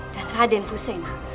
dan maria dan fusena